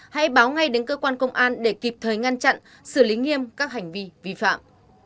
hãy báo ngay đến cơ quan công an để kịp thời ngăn chặn xử lý nghiêm các hành vi vi phạm